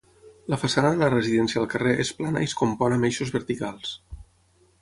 La façana de la residència al carrer és plana i es compon amb eixos verticals.